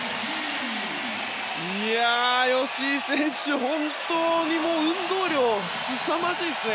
吉井選手、本当に運動量がすさまじいです。